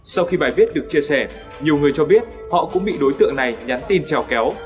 sau khi bài viết được chia sẻ nhiều người cho biết họ cũng bị đối tượng này nhắn tin trèo kéo